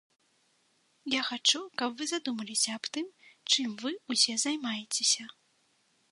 Я хачу, каб вы задумаліся аб тым, чым вы ўсе займаецеся.